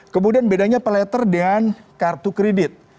kemudian bedanya pay later dengan kartu kredit